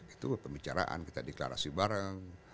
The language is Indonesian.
itu pembicaraan kita deklarasi bareng